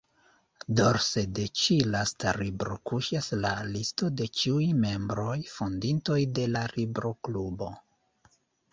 Dorse de ĉi-lasta libro kuŝas la listo de ĉiuj membroj-fondintoj de la Libro-Klubo.